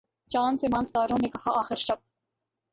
چاند سے ماند ستاروں نے کہا آخر شب